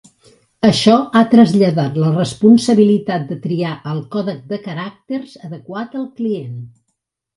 Això ha traslladat la responsabilitat de triar el còdec de caràcters adequat al client.